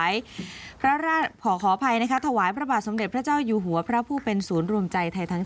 ยิงการจบทัพรหจอง